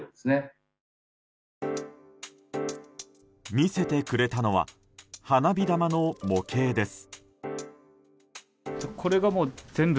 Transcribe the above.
見せてくれたのは花火玉の模型です。